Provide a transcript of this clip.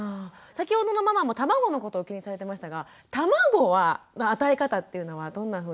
先ほどのママも卵のことを気にされてましたが卵は与え方っていうのはどんなふうにしたらいいですか？